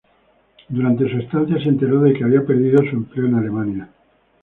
Durante su estancia se enteró de que había perdido su empleo en Alemania.